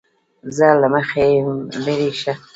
زه له مخې لېرې شه!